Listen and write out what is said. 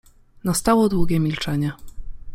Nastało długie milczenie.